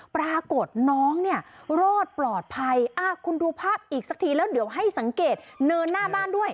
ปรากฏน้องเนี่ยรอดปลอดภัยคุณดูภาพอีกสักทีแล้วเดี๋ยวให้สังเกตเนินหน้าบ้านด้วย